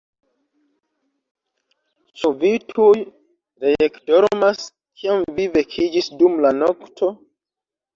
Ĉu vi tuj reekdormas, kiam vi vekiĝis dum la nokto?